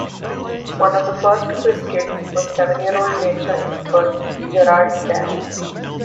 One of the first Quiz Kids was seven-year-old nature expert Gerard Darrow.